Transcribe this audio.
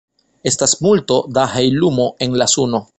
Estas multo da heliumo en la suno.